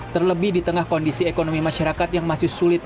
terlebih di tengah kondisi ekonomi masyarakat yang masih sulit